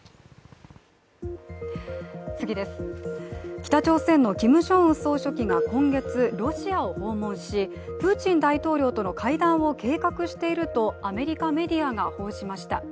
北朝鮮のキム・ジョンウン総書記が今月ロシアを訪問しプーチン大統領との会談を計画しているとアメリカメディアが報じました。